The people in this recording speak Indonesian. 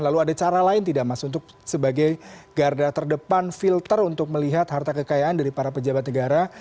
lalu ada cara lain tidak mas untuk sebagai garda terdepan filter untuk melihat harta kekayaan dari para pejabat negara